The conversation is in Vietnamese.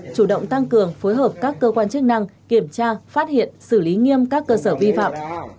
chủ động tăng cường phối hợp các cơ quan chức năng kiểm tra phát hiện xử lý nghiêm các cơ sở vi phạm